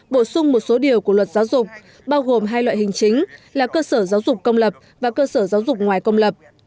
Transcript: bổ sung một số điều của luật giáo dục bao gồm hai loại hình chính là cơ sở giáo dục công lập và cơ sở giáo dục ngoài công lập